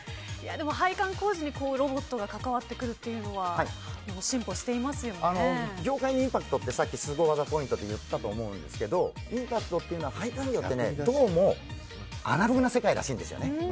配管工事にロボットが関わってくるというのは業界にインパクトってさっきスゴ技ポイントで言ったと思うんですけどインパクトというのは配管業ってどうもアナログな世界らしいんですよ。